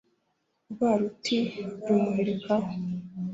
Rwa ruti rumuhirika aho